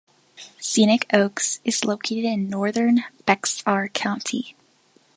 Scenic Oaks is located in northern Bexar County.